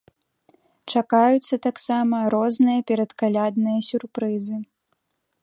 Чакаюцца таксама розныя перадкалядныя сюрпрызы.